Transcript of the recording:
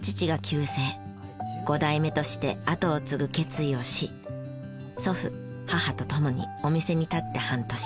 ５代目として後を継ぐ決意をし祖父母と共にお店に立って半年。